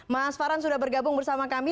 mas farhan sudah bergabung bersama kami